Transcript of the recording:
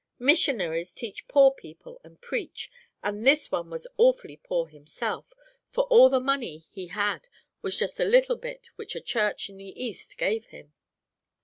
Missionaries teach poor people and preach, and this one was awfully poor himself, for all the money he had was just a little bit which a church in the East gave him.